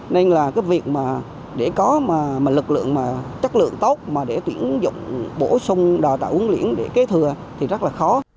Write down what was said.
nên là việc để có lực lượng chất lượng tốt để tuyển dụng bổ sung đào tạo huấn luyện để kế thừa thì rất là khó